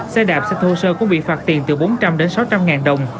xe đạp xe thô sơ cũng bị phạt tiền từ bốn trăm linh đến sáu trăm linh ngàn đồng